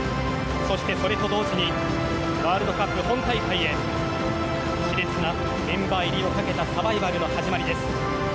そして、それと同時にワールドカップ本大会へ熾烈なメンバー入りをかけたサバイバルの始まりです。